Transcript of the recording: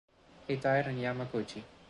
He died in Yamaguchi.